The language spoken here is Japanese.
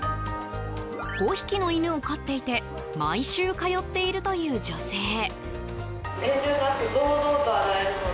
５匹の犬を飼っていて毎週通っているという女性。